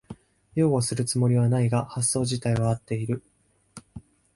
擁護するつもりはないが発想じたいは合ってる